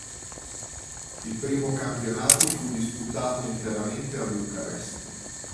Il primo campionato fu disputato interamente a Bucarest.